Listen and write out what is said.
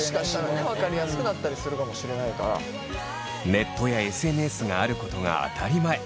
ネットやＳＮＳがあることが当たり前。